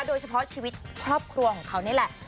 โดยเฉพาะชีวิตครอบครัวของเขานี่แหละ